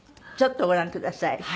ちょっとご覧ください。